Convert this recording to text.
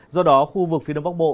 do đó khu vực phía đông bắc bộ